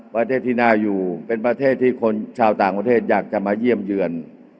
ประเทศที่น่าอยู่เป็นประเทศที่คนชาวต่างประเทศอยากจะมาเยี่ยมเยือน